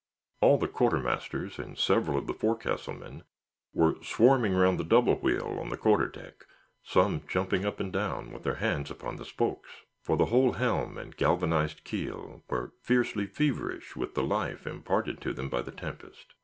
All the quartermasters, and several of the forecastle men, were swarming round the double wheel on the quarter deck, some jumping up and down, with their hands upon the spokes; for the whole helm and galvanized keel were fiercely feverish with the life imparted to them by the tempest.